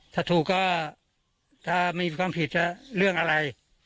ถ้าถูกก็ถ้าไม่มีความผิดจะเรื่องอะไร